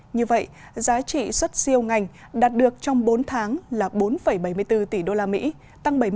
như vậy giá trị xuất siêu ngành đạt được trong bốn tháng là bốn bảy mươi bốn tỷ đô la mỹ tăng bảy mươi một năm